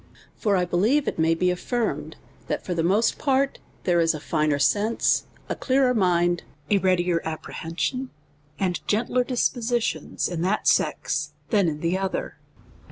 For I believe it may be affirmed, that for the most part there is a finer sense, a clearer mind, a readier apprehension, and gentler dispositions in that sex, than, in the other.